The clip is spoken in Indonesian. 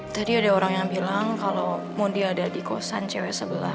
tadi ada orang yang bilang kalau mondi ada di kosan cewek sebelah